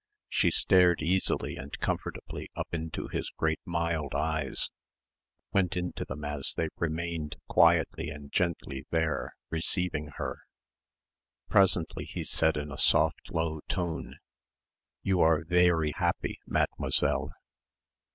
She stared easily and comfortably up into his great mild eyes, went into them as they remained quietly and gently there, receiving her. Presently he said in a soft low tone, "You are vairy happy, mademoiselle."